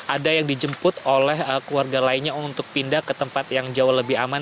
ada yang dijemput oleh keluarga lainnya untuk pindah ke tempat yang jauh lebih aman